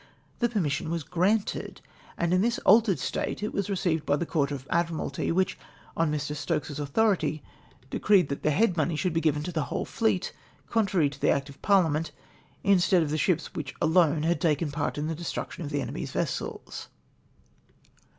The permission was granted, and in this altered state it was received by the Coiu't of Admiralty, which, on Mr. Stokes's authority, decreed that the head money should be given to the luhole feet, contrary to the Act of Parliament, instead of the ships ichich alone had taken ijcirt in the destruction of the enejny's vessels.